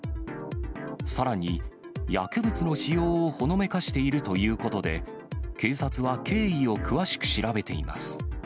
さらに薬物の使用をほのめかしているということで、警察は経緯を詳しく調べています。